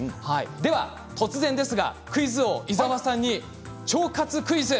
では突然ですがクイズ王伊沢さんに腸活クイズ！